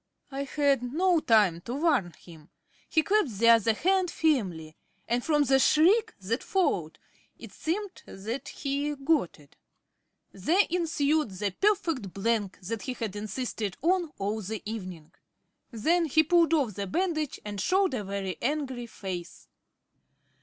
I had no time to warn him. He clasped the other hand firmly; and from the shriek that followed it seemed that he got it. There ensued the "perfect blank" that he had insisted on all the evening. Then he pulled off the bandage, and showed a very angry face.